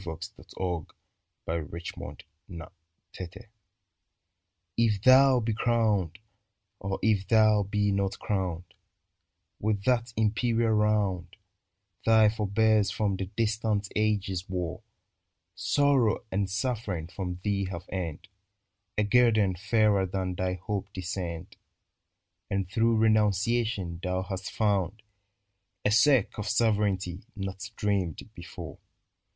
20 CORONATION— TO KING EDWARD VII Tf thou be crowned, or if thou be not crowned With that imperial round Thy forbears from the distant ages wore, Sorrow and suffering for thee have earned A guerdon fairer than thy hope discerned ; And through renunciation, thou hast found A cirque of sovereignty not dreamed before.